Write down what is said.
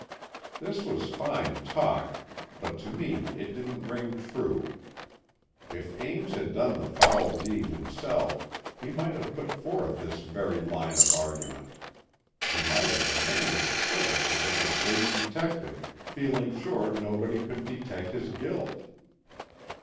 This was fine talk, but to me it didn't ring true. If Ames had done the foul deed himself, he might have put forth this very line of argument. He might have demanded the services of a great detective, feeling sure nobody could detect his guilt.